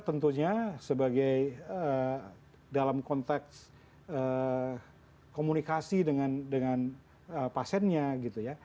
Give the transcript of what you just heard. tentunya sebagai dalam konteks komunikasi dengan pasiennya gitu ya